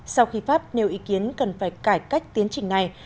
sau khi pháp nêu ý kiến cần phải cải cách tiến trình này